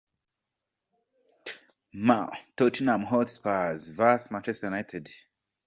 Mar, Tottenham Hotspur vs Manchester United.